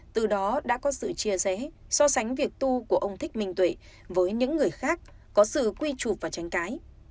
từ đó đã có sự chia rẽ so sánh việc tu của ông thích minh tuệ với những người khác có sự quy trụ và tránh cái